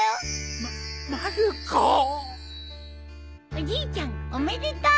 おじいちゃんおめでとう！